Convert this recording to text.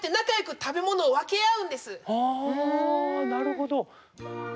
ああなるほど。